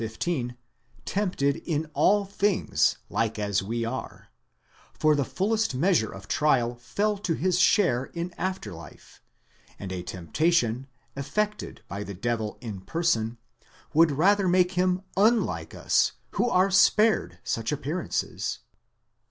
15, tempted in all things like as we are ; for the fullest measure of trial fell to his share in after life, and a temptation, effected by the devil in person, would rather make him wa/ike us, who are spared such appearances.